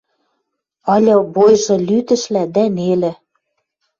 Ыльы бойжы лӱдӹшлӓ дӓ нелӹ